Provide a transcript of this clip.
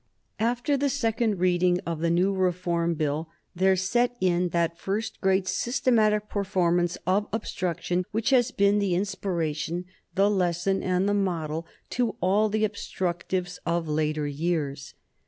After the second reading of the new Reform Bill there set in that first great systematic performance of obstruction which has been the inspiration, the lesson, and the model to all the obstructives of later years.